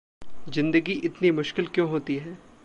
ज़िंदगी इतनी मुश्किल क्यों होती है?